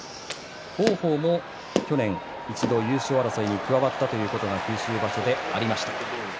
王鵬も去年一度、優勝争いに加わったことが九州場所でありました。